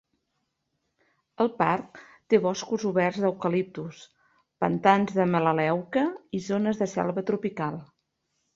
El parc té boscos oberts d'eucaliptus, pantans de melaleuca i zones de selva tropical.